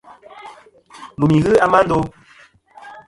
Lùmi ghɨ a ma ndo.